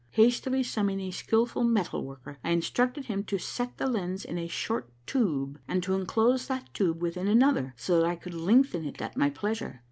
Hastily summoning a skilful metal worker, I instructed him to set the lens in a short tube and to enclose that tube within another, so that I could lengthen it at my pleasure.